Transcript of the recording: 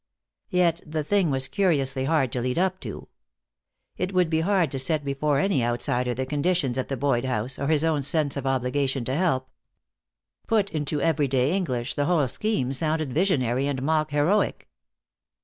Yet the thing was curiously hard to lead up to. It would be hard to set before any outsider the conditions at the Boyd house, or his own sense of obligation to help. Put into everyday English the whole scheme sounded visionary and mock heroic.